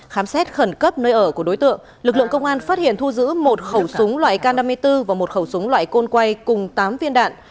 khám xét khẩn cấp nơi ở của đối tượng lực lượng công an phát hiện thu giữ một khẩu súng loại k năm mươi bốn và một khẩu súng loại côn quay cùng tám viên đạn